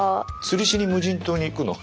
釣りしに無人島に行くの？